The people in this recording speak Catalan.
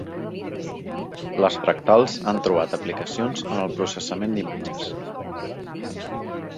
Les fractals han trobat aplicacions en el processament d'imatges.